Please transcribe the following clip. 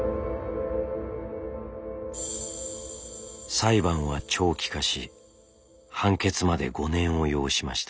裁判は長期化し判決まで５年を要しました。